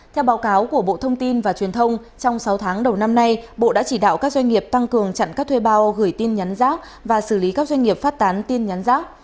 theo báo cáo của bộ thông tin và truyền thông trong sáu tháng đầu năm nay bộ đã chỉ đạo các doanh nghiệp tăng cường chặn các thuê bao gửi tin nhắn rác và xử lý các doanh nghiệp phát tán tin nhắn rác